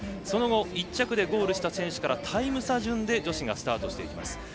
その後１着でゴールした選手からタイム差順で女子がスタートしていきます。